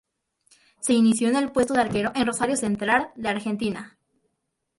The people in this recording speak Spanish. Se inició en el puesto de arquero en Rosario Central de Argentina.